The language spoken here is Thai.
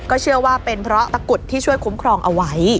เชื่อว่าเป็นเพราะตะกุดที่ช่วยคุ้มครองเอาไว้